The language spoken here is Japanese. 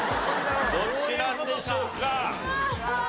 どっちなんでしょうか？